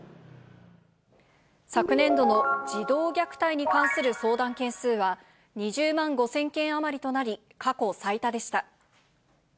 昨年度の児童虐待に関する相談件数は、２０万５０００件余りとなり、過去最多でした。